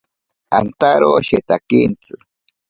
Antaro shetakintsi.